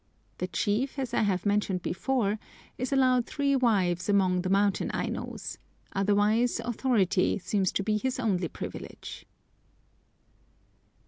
The chief, as I have mentioned before, is allowed three wives among the mountain Ainos, otherwise authority seems to be his only privilege.